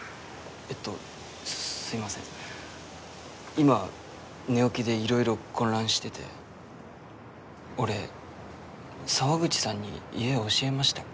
今寝起きでいろいろ混乱してて俺沢口さんに家教えましたっけ？